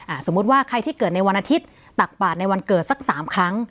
สมมุติว่าใครที่เกิดในวันอาทิตย์ตักบาทในวันเกิดสักสามครั้ง